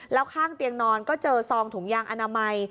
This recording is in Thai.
แล้วข้างเตียงนอนก็เจอซองถุงยางอนามัย